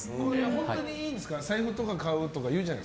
本当にいいんですか？